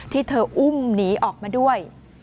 ที่เธออุ้มหนีออกมาด้วย